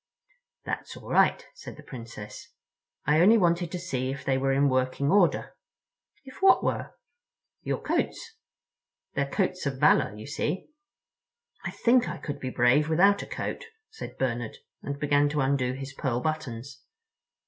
"That's all right," said the Princess. "I only wanted to see if they were in working order." "If what were?" "Your coats. They're coats of valor, of course." "I think I could be brave without a coat," said Bernard, and began to undo his pearl buttons.